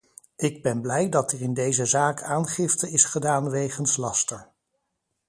Ik ben blij dat er in deze zaak aangifte is gedaan wegens laster.